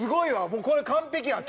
もうこれ完璧やん。